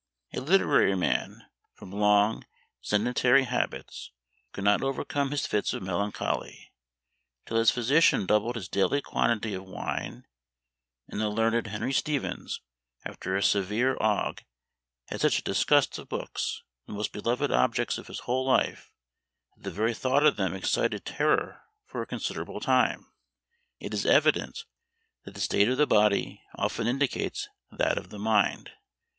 A literary man, from long sedentary habits, could not overcome his fits of melancholy, till his physician doubled his daily quantity of wine; and the learned Henry Stephens, after a severe ague, had such a disgust of books, the most beloved objects of his whole life, that the very thought of them excited terror for a considerable time. It is evident that the state of the body often indicates that of the mind.